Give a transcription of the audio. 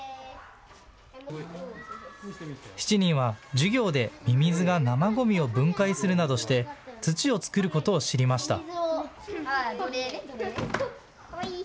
７人は授業でミミズが生ごみを分解するなどして土を作ることを知りました。